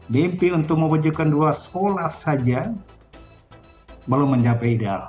mimpi untuk mewujudkan dua sekolah saja belum mencapai ideal